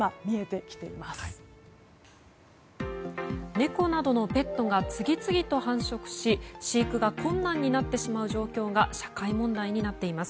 猫などのペットが次々と繁殖し飼育が困難になってしまう状況が社会問題になっています。